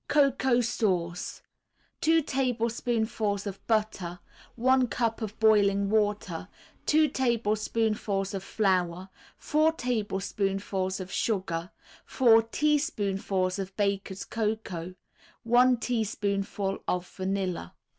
COCOA SAUCE 2 tablespoonfuls of butter, 1 cup of boiling water, 2 tablespoonfuls of flour, 4 tablespoonfuls of sugar, 4 teaspoonfuls of Baker's Cocoa, 1 teaspoonful of vanilla.